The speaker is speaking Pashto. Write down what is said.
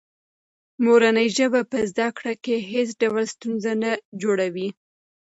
مورنۍ ژبه په زده کړه کې هېڅ ډول ستونزه نه جوړوي.